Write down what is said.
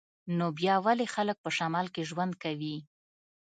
نو بیا ولې خلک په شمال کې ژوند کوي